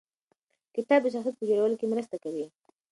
کتاب د شخصیت په جوړولو کې مرسته کوي.